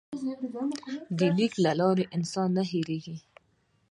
د لیک له لارې انسان نه هېرېږي.